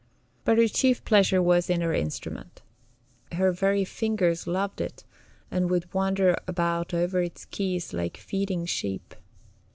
But her chief pleasure was in her instrument. Her very fingers loved it, and would wander about over its keys like feeding sheep.